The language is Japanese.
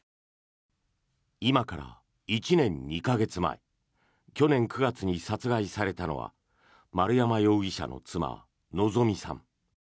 今から１年２か月前去年９月に殺害されたのは丸山容疑者の妻・希美さん。